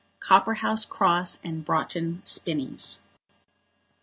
COPPERHOUSE CROSS AND BROUGHTON SPINNIES.